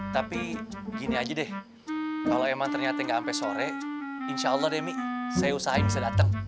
tapi gini aja deh kalau emang ternyata gak sampe sore insyaallah deh mi saya usahain bisa dateng